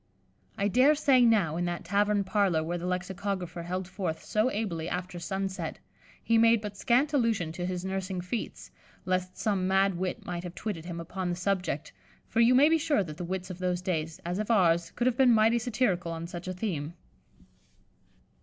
I dare say now, in that tavern parlour where the lexicographer held forth so ably after sun set, he made but scant allusion to his nursing feats, lest some mad wit might have twitted him upon the subject, for you may be sure that the wits of those days, as of ours, could have been mighty satirical on such a theme.